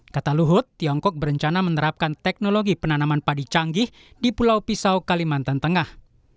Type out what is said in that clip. kata luhut tiongkok berencana menerapkan teknologi penanaman padi canggih di pulau pisau kalimantan tengah